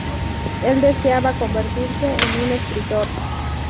El deseaba convertirse en un escritor.